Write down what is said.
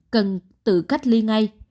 cần tự cách ly ngay